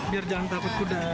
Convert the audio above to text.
biar jangan takut kuda